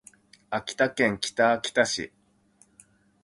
秋田県北秋田市